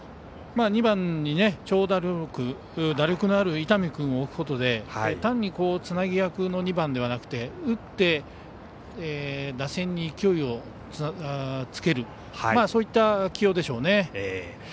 ２番に長打力打力のある伊丹君を置くというのは単につなぎ役の２番ではなくて打って打線に勢いをつけるそういった起用でしょうね。